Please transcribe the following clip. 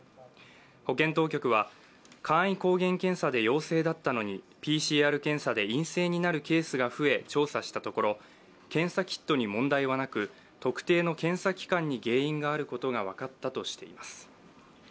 保健当局は簡易抗原検査で陽性だったのにＰＣＲ検査で陰性になるケースが増え調査したところ、検査キットに問題はなく、特定の検査機関に原因があることが分かったとしています。